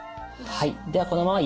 はい。